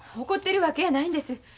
怒ってるわけやないんです。